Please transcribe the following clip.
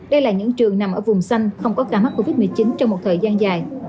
đây là những trường nằm ở vùng xanh không có ca mắc covid một mươi chín trong một thời gian dài